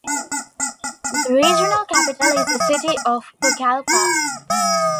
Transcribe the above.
The regional capital is the city of Pucallpa.